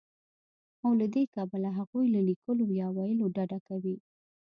او له دې کبله هغوی له ليکلو يا ويلو ډډه کوي